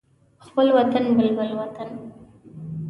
خپل وطن بلبل وطن